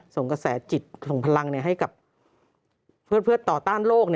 ส่งกระแสจิตส่งพลังให้กับเพื่อนต่อต้านโลก